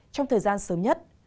trong thời gian sớm nhất